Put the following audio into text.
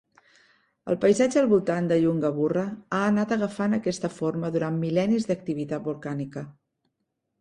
El paisatge al voltant de Yungaburra ha anat agafant aquesta forma durant mil·lennis d'activitat volcànica.